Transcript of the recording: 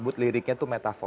mungkin kalau bikin lagu